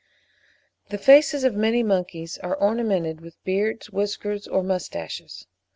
The faces of many monkeys are ornamented with beards, whiskers, or moustaches.